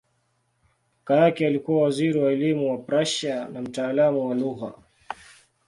Kaka yake alikuwa waziri wa elimu wa Prussia na mtaalamu wa lugha.